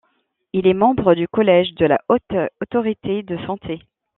Il est membre du Collège de la Haute Autorité de santé.